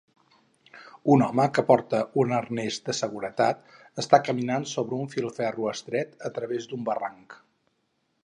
Un home que porta un arnès de seguretat està caminant sobre un filferro estret a través d'un barranc.